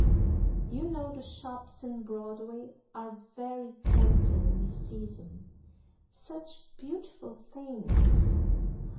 "You know the shops in Broadway are very tempting this season. Such beautiful things!